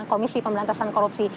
komisi pemberantasan korupsi